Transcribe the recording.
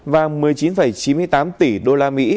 và một mươi chín chín mươi tám tỷ đô la mỹ